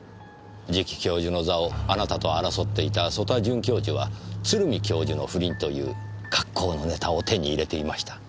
次期教授の座をあなたと争っていた曽田准教授は鶴見教授の不倫という格好のネタを手に入れていました。